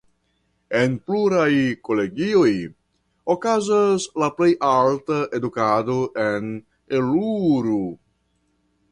En pluraj kolegioj okazas la plej alta edukado en Eluru.